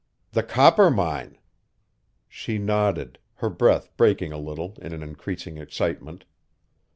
"THE COPPERMINE." She nodded, her breath breaking a little in an increasing excitement.